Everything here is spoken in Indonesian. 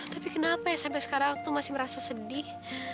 tapi kenapa ya sampai sekarang aku masih merasa sedih